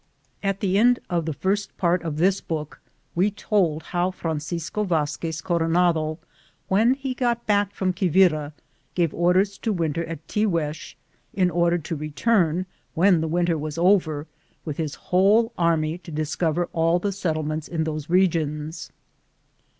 At the end of the first part of this book, we told how Francisco Vazquez Coronado, when he got back fronf Quivira, gave orders to winter at Tiguex, in order to return, when the winter was over, with his whole army to discover all the settlements in those regions.